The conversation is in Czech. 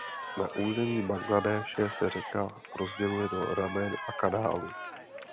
Na území Bangladéše se řeka rozděluje do ramen a kanálů.